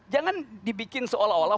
jangan dibikin seolah olah